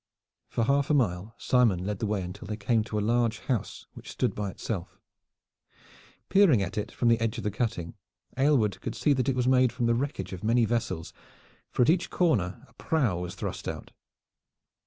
For half a mile Simon led the way until they came to a large house which stood by itself. Peering at it from the edge of the cutting, Aylward could see that it was made from the wreckage of many vessels, for at each corner a prow was thrust out.